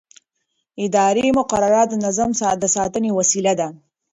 اداري مقررات د نظم د ساتنې وسیله ده.